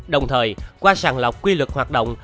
đồng thời qua sàn lọc quy luật hoạt động